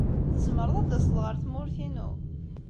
Tzemreḍ ad d-taseḍ ɣer tmurt-inu?